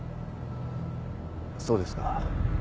そうですか。